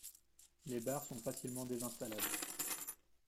Les barres sont facilement désinstallables.